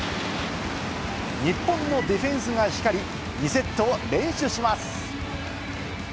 日本のディフェンスがひかり、２セットを連取します。